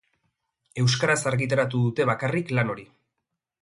Euskaraz argitaratu dute bakarrik lan hori.